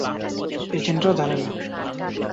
এজেন্টরা জানে না।